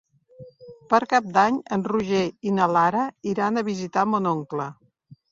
Per Cap d'Any en Roger i na Lara iran a visitar mon oncle.